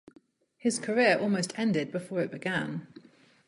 His career almost ended before it began.